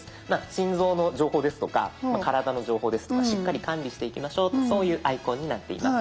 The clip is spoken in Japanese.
心臓の情報ですとか体の情報ですとかしっかり管理していきましょうそういうアイコンになっています。